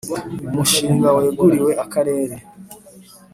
Umushinga weguriwe Akarere .